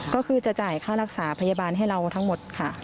ก็คือจะจ่ายค่ารักษาพยาบาลให้เราทั้งหมดค่ะ